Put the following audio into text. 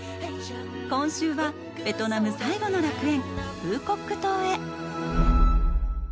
今週は、ベトナム最後の楽園フーコック島へ。